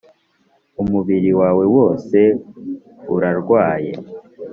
Umubiri wawe wose urarwaye.